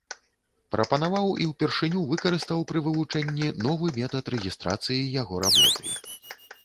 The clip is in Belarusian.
Прапанаваў і ўпершыню выкарыстаў пры вывучэнні новы метад рэгістрацыі яго работы.